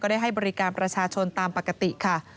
ได้ให้บริการประชาชนตามปกติค่ะ